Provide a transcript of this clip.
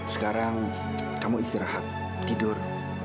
sekarang kamu istirahat tidur